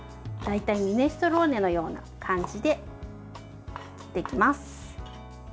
大体、ミネストローネのような感じで切っていきます。